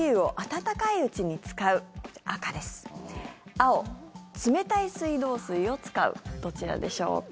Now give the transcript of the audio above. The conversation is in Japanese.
青、冷たい水道水を使うどちらでしょうか。